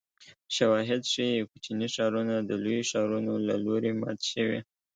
شواهد ښيي کوچني ښارونه د لویو ښارونو له لوري مات شوي